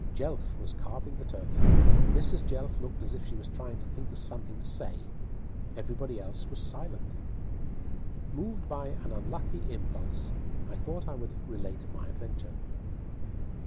Jelf was carving the turkey; Mrs. Jelf looked as if she was trying to think of something to say; everybody else was silent. Moved by an unlucky impulse, I thought I would relate my adventure.